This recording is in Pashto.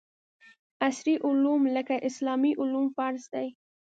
عصري علوم لکه اسلامي علوم فرض دي